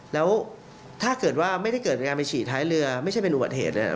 แล้วถ้าเกิดว่าไม่ได้เกิดจากการไปฉี่ท้ายเรือไม่ใช่เป็นอุบัติเหตุเนี่ย